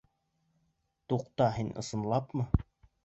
Туҡта, һин ысынлапмы?